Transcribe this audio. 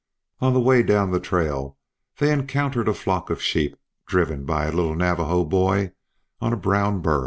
On the way down the trail they encountered a flock of sheep driven by a little Navajo boy on a brown burro.